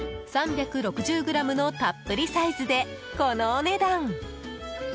３６０ｇのたっぷりサイズでこのお値段。